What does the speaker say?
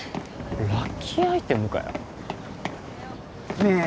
ラッキーアイテムかよねえ